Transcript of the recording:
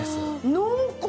濃厚！